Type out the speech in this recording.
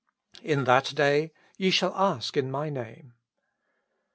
In that day ye shall ask in MY Name.